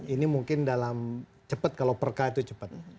ini mungkin dalam cepat kalau perka itu cepat